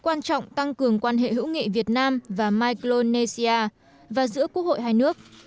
liên bang micronesia sẽ tăng cường quan hệ hữu nghị việt nam và micronesia và giữa quốc hội hai nước